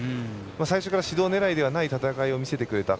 最初から指導狙いではない戦いを見せてくれた。